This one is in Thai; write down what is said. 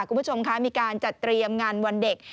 คุณผู้ชมคะมีการจัดเตรียมงานวันเด็ก